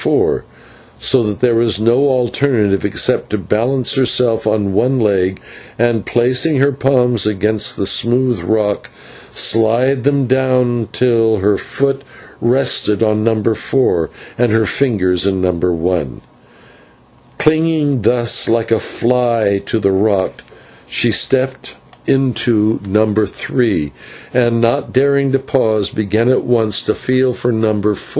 4, so that there was no alternative except to balance herself on one leg, and, placing her palms against the smooth rock, slide them down it till her foot rested on No. 4, and her fingers in No. 1. Clinging thus like a fly to the rock, she stepped into No. 3, and, not daring to pause, began at once to feel for No. 4.